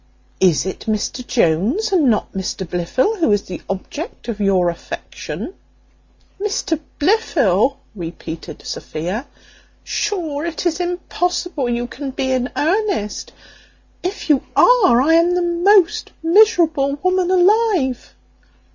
Is it Mr Jones, and not Mr Blifil, who is the object of your affection?" "Mr Blifil!" repeated Sophia. "Sure it is impossible you can be in earnest; if you are, I am the most miserable woman alive."